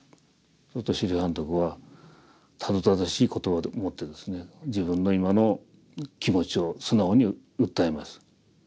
そうすると周梨槃特はたどたどしい言葉でもって自分の今の気持ちを素直に訴えます。